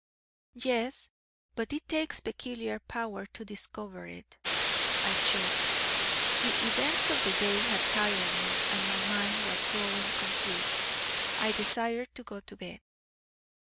"Yes, but it takes peculiar power to discover it," I chirped. The events of the day had tired me, and my mind was growing confused. I desired to go to bed.